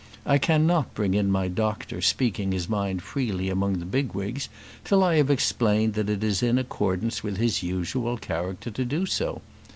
I cannot bring in my doctor speaking his mind freely among the bigwigs till I have explained that it is in accordance with his usual character to do so.